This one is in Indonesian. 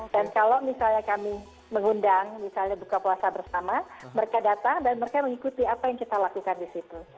dan kalau misalnya kami mengundang misalnya buka puasa bersama mereka datang dan mereka mengikuti apa yang kita lakukan disitu